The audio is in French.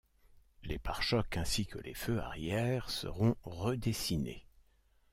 Les pare-chocs ainsi que les feux arrière seront redessinés.